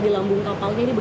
atau masih sedikit